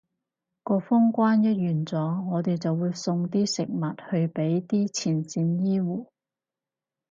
個封關一完咗，我哋就會送啲食物去畀啲前線醫護